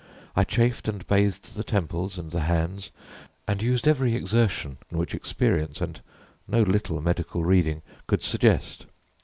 I chafed and bathed the temples and the hands and used every exertion which experience, and no little medical reading, could suggest.